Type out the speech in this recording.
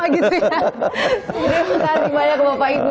terima kasih banyak bapak ibu